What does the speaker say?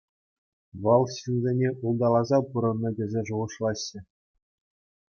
Вӑл ҫынсене улталаса пурӑннӑ тесе шухӑшлаҫҫӗ.